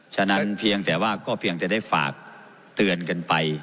ฉะนั้นเพียงแต่ว่าก็เพียงจะได้ฝากเตือนกันไป